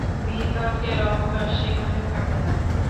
বিতর্কের অবকাশ সেখানে থাকে না।